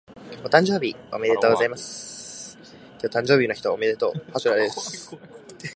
お誕生日おめでとうございます。